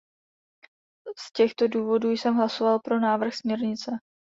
Z těchto důvodů jsem hlasoval pro návrh směrnice.